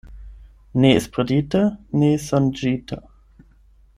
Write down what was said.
Ne esperite, ne sonĝite.